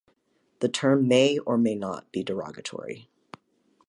The term may or may not be derogatory.